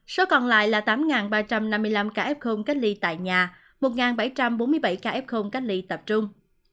số còn lại là tám ba trăm năm mươi năm ca f cách ly tại nhà một bảy trăm bốn mươi bảy ca f cách ly tập trung